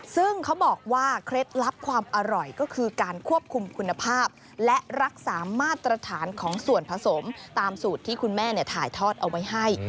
ซึ่งเขาบอกว่าเคล็ดลับความอร่อยก็คือการควบคุมคุณภาพและรักษามาตรฐานของส่วนผสมตามสูตรที่คุณแม่ถ่ายทอดเอาไว้ให้